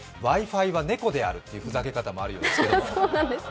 Ｗｉ−Ｆｉは猫であるというふざけ方もあるそうですけど。